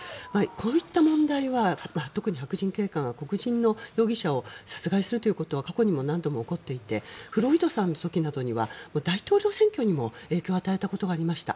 こういった問題は特に白人警官が黒人の容疑者を殺害するということは過去にも何度も起こっていてフロイドさんの時などには大統領選挙にも影響を与えたことがありました。